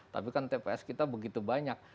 tapi kan tps kita begitu banyak dua ratus tujuh puluh